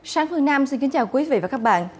sáng phương nam xin kính chào quý vị và các bạn